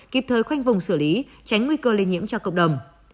kịp thời khoanh vùng xử lý tránh nguy cơ lây nhiễm cho cộng đồng